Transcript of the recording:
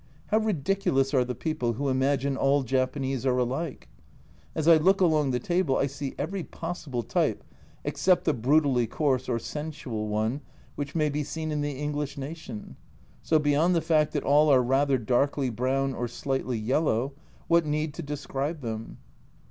How ridiculous are the people who imagine "all Japanese are alike"; as I look along the table I see every possible type (except the brutally coarse or sensual one), which may be seen in the English nation, so beyond the fact that all are rather darkly brown or slightly yellow, what need to describe them?